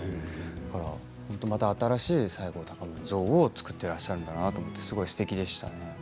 だからまた新しい西郷隆盛像を作っていらっしゃるんだなとすごいすてきでしたね。